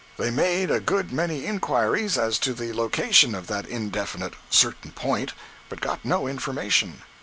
They made a good many inquiries as to the location of that indefinite "certain point," but got no information.